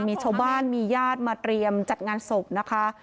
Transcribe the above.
มีชาวบ้านมีญาติมาเตรียมจัดงานศพนะคะ